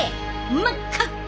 真っ赤っか！